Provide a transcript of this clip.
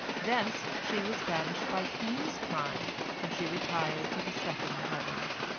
Thence she was banished by Cain's crime, and she retired to the second heaven.